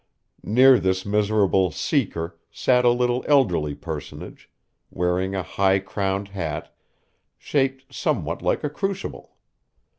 Near this miserable Seeker sat a little elderly personage, wearing a high crowned hat, shaped somewhat like a crucible.